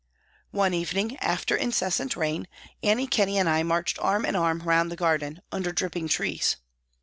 One evening, after incessant rain, Annie Kenney and I marched arm in arm round the garden, MY CONVERSION 11 under dripping trees.